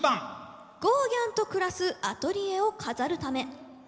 ゴーギャンと暮らすアトリエを飾るため。